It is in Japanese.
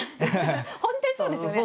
本当にそうですよね。